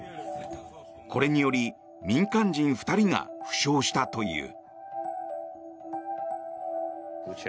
これにより民間人２人が負傷したという。